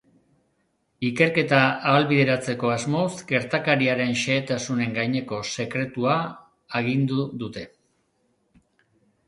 Ikerketa ahalbideratzeko asmoz, gertakariaren xehetasunen gaineko sekretua agindu dute.